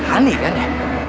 anik kan ya